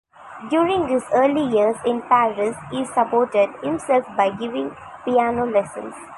During his early years in Paris he supported himself by giving piano lessons.